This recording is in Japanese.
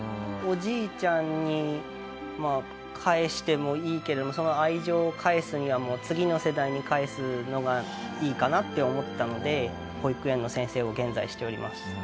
おじいちゃんにまあ返してもいいけれどその愛情を返すには次の世代に返すのがいいかなって思ったので保育園の先生を現在しております。